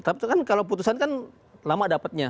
tetapi kalau putusan kan lama dapatnya